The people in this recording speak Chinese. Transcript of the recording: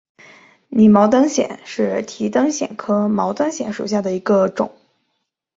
拟毛灯藓为提灯藓科毛灯藓属下的一个种。